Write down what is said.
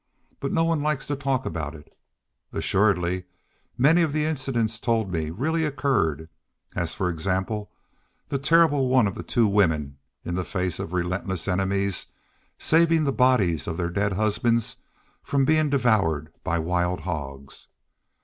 But no one likes to talk about it. Assuredly many of the incidents told me really occurred, as, for example, the terrible one of the two women, in the face of relentless enemies, saving the bodies of their dead husbands from being devoured by wild hogs.